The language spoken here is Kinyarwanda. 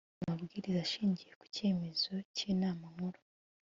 amabwiriza ashingiye ku cyemezo cy'inama nkuru